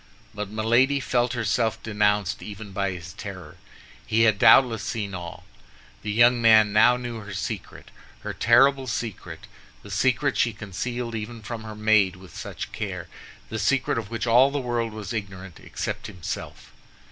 But Milady felt herself denounced even by his terror. He had doubtless seen all. The young man now knew her secret, her terrible secret—the secret she concealed even from her maid with such care, the secret of which all the world was ignorant, except himself.